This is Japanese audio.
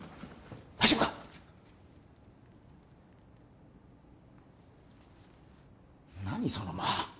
大丈夫か何その間？